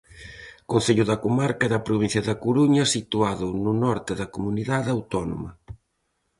Concello da comarca e da provincia da Coruña, situado no norte da comunidade autónoma.